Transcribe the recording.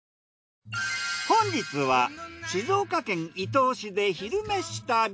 本日は静岡県伊東市で「昼めし旅」。